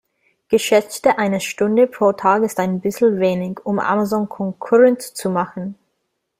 Geschätzte eine Stunde pro Tag ist ein bissl wenig, um Amazon Konkurrenz zu machen.